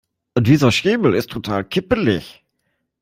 Dieser Schemel ist total kippelig.